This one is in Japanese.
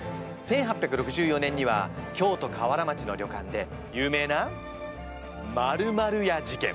１８６４年には京都河原町の旅館で有名な○○屋事件。